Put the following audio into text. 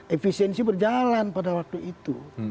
efisiensi berjalan pada waktu itu